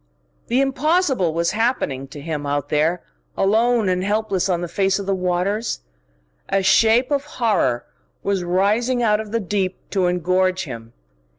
The impossible was happening to him, out there, alone and helpless on the face of the waters. A shape of horror was rising out of the deep to engorge him.